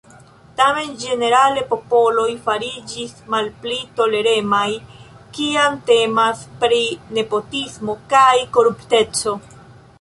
Tamen ĝenerale popoloj fariĝis malpli toleremaj, kiam temas pri nepotismo kaj korupteco.